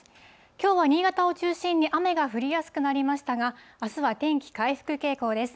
きょうは新潟を中心に雨が降りやすくなりましたか、あすは天気回復傾向です。